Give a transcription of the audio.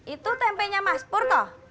itu tempenya mas pur toh